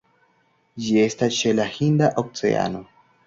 Ĝi estas ĉe la Hinda Oceano.